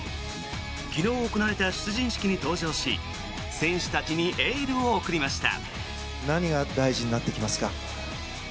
昨日行われた出陣式に登場し選手たちにエールを送りました。